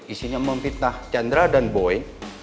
isinya memfitnah chandra dan boy